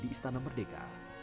di istana merdeka